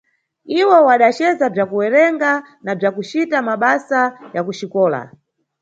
Iwo wadacesa bza kuwerenga na bzakucita mabasa ya kuxikola